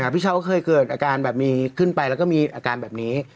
พี่เช้าก็เคยเกิดอาการแบบมีขึ้นไปแล้วก็มีอาการแบบนี้